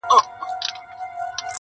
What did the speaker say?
انساني کرامت تر سوال للاندي دی,